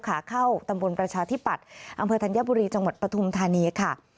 ขาเข้าตำบลประชาธิปัตย์อำเภอธัญบุรีจังหวัดปฐุมธานีค่ะ